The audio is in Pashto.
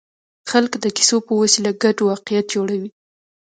خلک د کیسو په وسیله ګډ واقعیت جوړوي.